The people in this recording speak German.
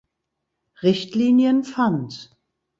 Richtlinien fand.